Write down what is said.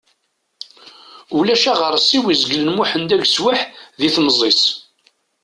Ulac aɣersiw izeglen Muḥend ageswaḥ di temẓi-s.